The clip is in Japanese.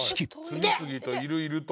次々といるいると。